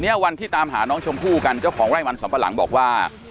วันที่ตามหาน้องชมพู่กันเจ้าของไร่มันสำปะหลังบอกว่า